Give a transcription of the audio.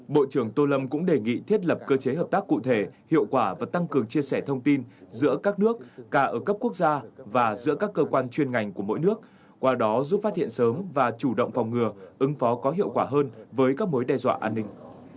bộ trưởng tô lâm cũng đề nghị thiết lập cơ chế hợp tác cụ thể hiệu quả và tăng cường chia sẻ thông tin giữa các nước cả ở cấp quốc gia và giữa các cơ quan chuyên ngành của mỗi nước qua đó giúp phát hiện sớm và chủ động phòng ngừa ứng phó có hiệu quả hơn với các mối đe dọa an ninh